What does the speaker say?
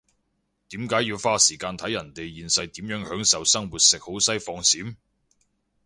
點解要花時間睇人哋現世點樣享受生活食好西放閃？